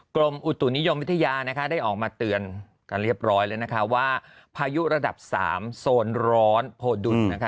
กรมอุตุนิยมวิทยานะคะได้ออกมาเตือนกันเรียบร้อยแล้วนะคะว่าพายุระดับ๓โซนร้อนโพดุลนะคะ